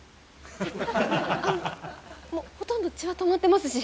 いやあのもうほとんど血は止まってますし。